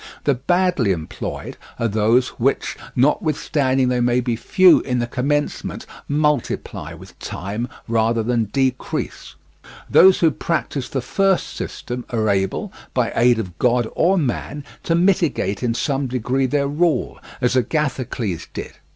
The badly employed are those which, notwithstanding they may be few in the commencement, multiply with time rather than decrease. Those who practise the first system are able, by aid of God or man, to mitigate in some degree their rule, as Agathocles did.